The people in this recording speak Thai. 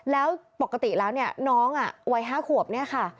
แล้วปกติแล้วเนี่ยน้องวัย๕ขวบเนี่ยค่ะ